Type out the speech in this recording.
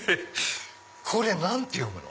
これ何て読むの？